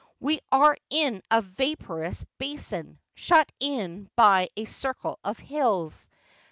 We are in a vaporous basin, shut in by a circle of hills.